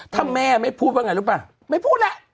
ถ้าแม่ไม่พูดว่าไงรู้ป่ะไม่พูดแล้ว